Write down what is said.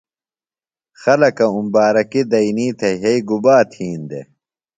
خلکہ اُمبارکیۡ دئینی تھےۡ یھئی گُبا تِھین دےۡ ؟